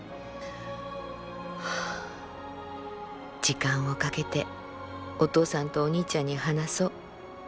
「時間をかけてお父さんとお兄ちゃんに話そう。